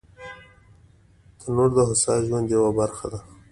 تنور د هوسا ژوند یوه برخه ده